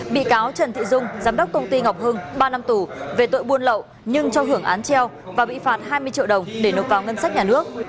bị cáo trần thị dung giám đốc công ty ngọc hưng ba năm tù về tội buôn lậu nhưng cho hưởng án treo và bị phạt hai mươi triệu đồng để nộp vào ngân sách nhà nước